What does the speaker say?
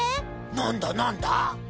なんだなんだ？